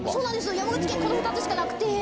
山口県、この２つしかなくて。